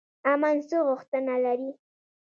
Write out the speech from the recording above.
امن څه غوښتنه لري؟